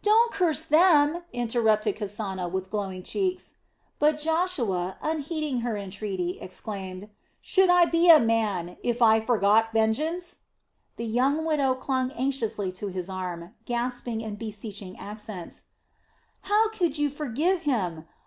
"Do not curse them!" interrupted Kasana with glowing cheeks. But Joshua, unheeding her entreaty, exclaimed "Should I be a man, if I forgot vengeance?" The young widow clung anxiously to his arm, gasping in beseeching accents: "How could you forgive him?